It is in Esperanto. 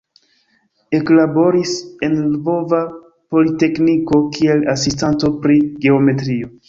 Eklaboris en Lvova Politekniko kiel asistanto pri geometrio.